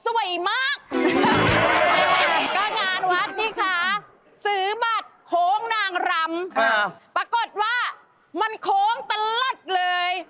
ออกมาคือบาทโค้งนางรำปรากฏว่ามันโค้งตลอดเลย